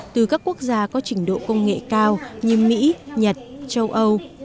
từ các quốc gia có trình độ công nghệ cao như mỹ nhật châu âu